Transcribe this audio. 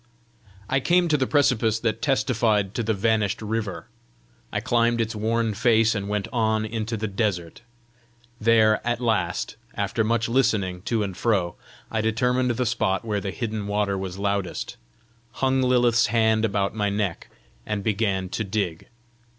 I came to the precipice that testified to the vanished river. I climbed its worn face, and went on into the desert. There at last, after much listening to and fro, I determined the spot where the hidden water was loudest, hung Lilith's hand about my neck, and began to dig.